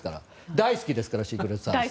大好きですからシークレットサービス。